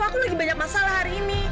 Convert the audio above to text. aku lagi banyak masalah hari ini